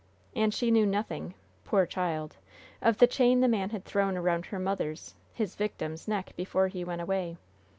And she knew nothing poor child! of the chain the man had thrown around her mother's, his victim's, neck before he went away!